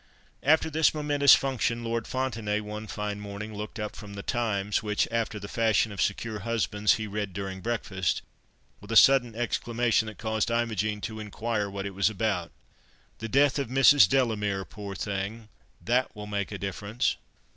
After this momentous function, Lord Fontenaye one fine morning looked up from the Times, which, after the fashion of secure husbands, he read during breakfast, with a sudden exclamation that caused Imogen to inquire what it was about. "The death of Mrs. Delamere, poor thing! That will make a difference."